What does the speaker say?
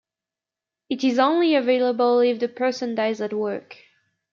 It is only available if the person dies at work.